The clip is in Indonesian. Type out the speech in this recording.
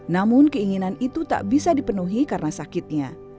namun keinginan itu tak bisa dipenuhi karena sakitnya